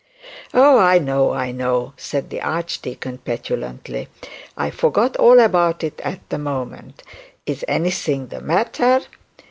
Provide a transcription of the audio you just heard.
Oh, I know, I know,' said the archdeacon, petulantly. 'I forgot all about it at the moment. Is anything the matter?'